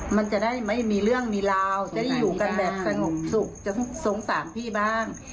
มันจะได้ไม่มีเรื่องมีราวจะได้อยู่กันแบบสงบสุขจะสงสารพี่บ้าง